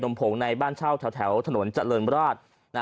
มผงในบ้านเช่าแถวถนนเจริญราช